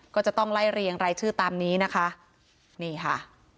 ก็จะต้องไล่เรียงรายชื่อตามนี้นะคะนี่ค่ะ